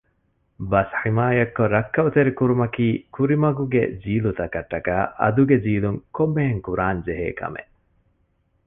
ބަސް ޙިމާޔަތްކޮށް ރައްކައުތެރިކުރުމަކީ ކުރިމަގުގެ ޖީލުތަކަށް ޓަކައި އަދުގެ ޖީލުން ކޮންމެހެން ކުރާން ޖެހޭ ކަމެއް